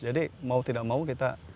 jadi mau tidak mau kita